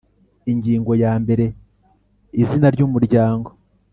Ingingo ya mbere Izina ry Umuryango